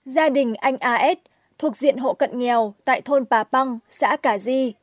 gia đình anh a s thuộc diện hộ cận nghèo tại thôn pà păng xã cả di